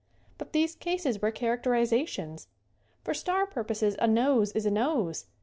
But these cases were characterizations. For star purposes a nose is a nose.